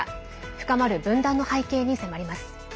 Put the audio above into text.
深まる分断の背景に迫ります。